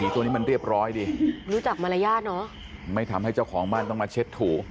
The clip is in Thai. ตัวนี้มันเรียบร้อยดีรู้จักมารยาทเนอะไม่ทำให้เจ้าของบ้านต้องมาเช็ดถู